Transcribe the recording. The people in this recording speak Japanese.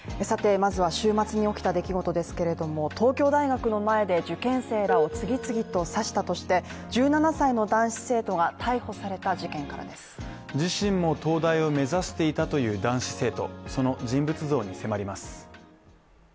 さてまずは週末に起きた出来事ですけれども東京大学の前で受験生らを次々と刺したとして１７歳の男子生徒が逮捕された事件からです自身も東大を目指していたという男子生徒、その人物像に迫ります。